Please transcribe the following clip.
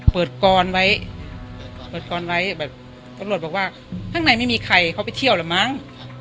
เปิดกรณ์ไว้เปิดกรณ์ไว้แบบต้องรวดบอกว่าข้างในไม่มีใครเขาไปเที่ยวแหละมั้ง